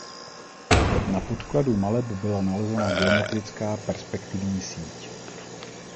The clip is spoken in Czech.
Na podkladu maleb byla nalezena geometrická perspektivní síť.